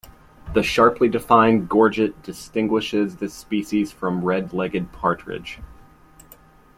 The sharply defined gorget distinguishes this species from red-legged partridge.